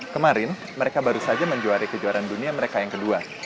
kemarin mereka baru saja menjuari kejuaraan dunia mereka yang kedua